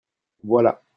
Voilà